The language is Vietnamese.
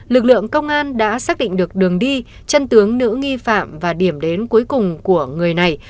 lực lượng công an đã xác định được đường đi chân tướng nữ nghi phạm và điểm đến cuối cùng của người này